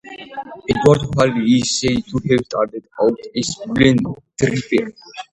Edward Whalley is said to have started out as a woollen-draper.